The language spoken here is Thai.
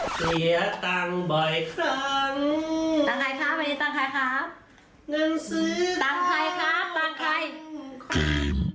โอเคครับบ๊ายบายครับ